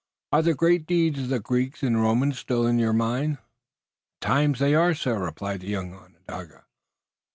"Are the great deeds of the Greeks and Romans still in your mind?" "At times they are, sir," replied the young Onondaga.